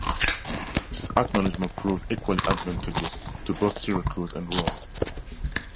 This acknowledgment proved equally advantageous to both Syracuse and Rome.